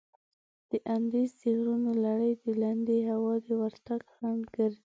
د اندیز د غرونو لړي د لندې هوا د ورتګ خنډ ګرځي.